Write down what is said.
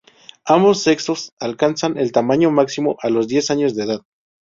Ambos sexos alcanzan el tamaño máximo a los diez años de edad.